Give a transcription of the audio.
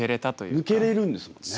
抜けれるんですもんね。